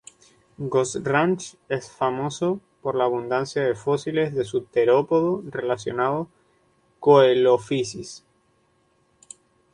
Ghost Ranch es famoso por la abundancia de fósiles de su terópodo relacionado "Coelophysis".